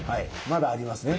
まだありますね。